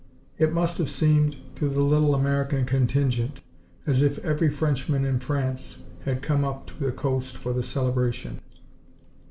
It must have seemed to the little American contingent as if every Frenchman in France had come up to the coast for the celebration.